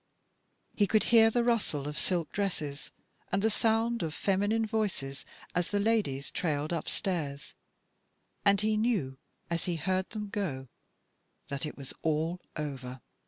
He could hear the rustle of silk dresses and the sound of feminine voices as the ladies trailed upstairs. And he knew, as he heard them go, that it was all over.